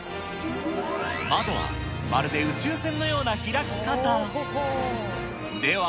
窓はまるで宇宙船のような開き方。